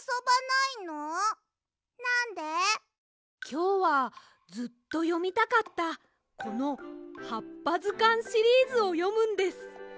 きょうはずっとよみたかったこの「はっぱずかん」シリーズをよむんです。